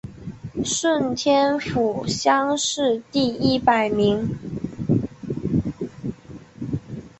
顺天府乡试第一百名。